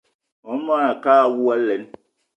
Mon manga a ke awou alen!